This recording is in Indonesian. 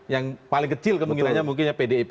yang paling kecil kemungkinannya mungkinnya pdip